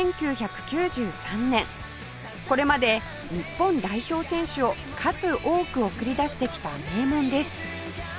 これまで日本代表選手を数多く送り出してきた名門です